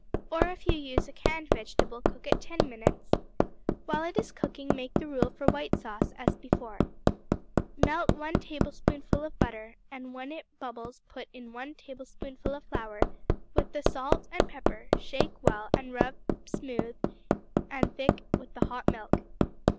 Or, if you use a canned vegetable, cook it ten minutes. While it is cooking, make the rule for white sauce as before: Melt one tablespoonful of butter, and when it bubbles put in one tablespoonful of flour, with the salt and pepper; shake well, and rub till smooth and thick with the hot milk.